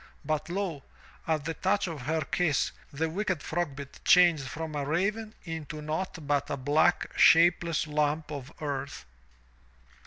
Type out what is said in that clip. But lo! at the touch of her kiss, the wicked Frogbit changed from a raven into naught but a black, shapeless lump of earth.